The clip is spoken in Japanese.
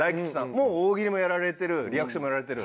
もう大喜利もやられてるリアクションもやられてる。